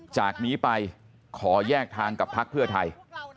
จากนี้ไปขอแยกทางกับพักเพื่อไทย